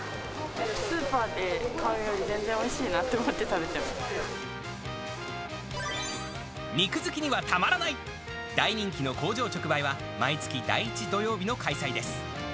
スーパーで買うより、全然おいし肉好きにはたまらない、大人気の工場直売は、毎月第１土曜日の開催です。